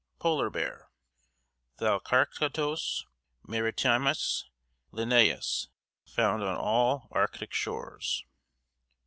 POLAR BEAR: Thalarctos maritimus Linnaeus. Found on all Arctic shores.